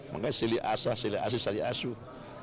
makanya sili asah sili asih sili asuh